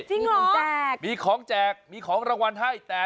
จริงเหรอมีของแจกมีของรางวัลให้มีของแจก